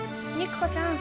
子ちゃん